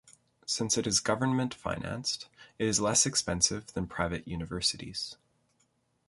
Since it is government financed, it is less expensive than private universities.